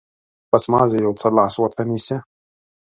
بس، مازې يو څه لاس ورته نيسه.